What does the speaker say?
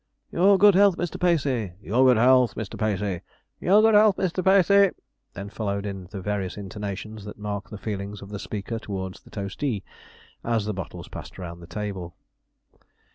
'Your good health, Mr. Pacey your good health, Mr. Pacey your good health, Mr. Pacey,' then followed in the various intonations that mark the feelings of the speaker towards the toastee, as the bottles passed round the table.